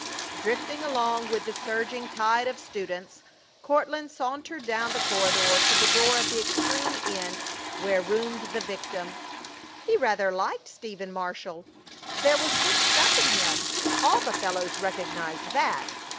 Drifting along with the surging tide of students, Courtland sauntered down the corridor to the door at the extreme end where roomed the victim. He rather liked Stephen Marshall. There was good stuff in him; all the fellows recognized that.